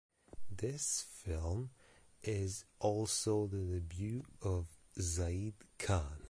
This film also the debut of Zaid Khan.